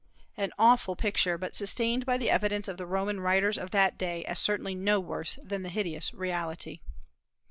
An awful picture, but sustained by the evidence of the Roman writers of that day as certainly no worse than the hideous reality.